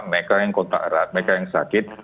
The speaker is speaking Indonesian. mereka yang kontak erat mereka yang sakit